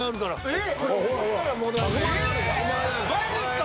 えぇマジっすか！